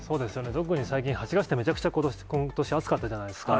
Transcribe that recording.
特に最近、８月って、めちゃくちゃことしは暑かったじゃないですか。